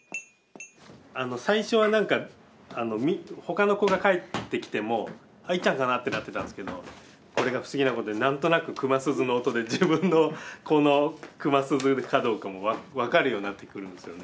最初は何かほかの子が帰ってきても「いっちゃんかな？」ってなってたんですけどこれが不思議なことに何となく熊鈴の音で自分の子の熊鈴かどうかも分かるようになってくるんですよね。